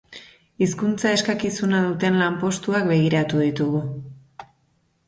Hizkuntza-eskakizuna duten lanpostuak begiratu ditugu.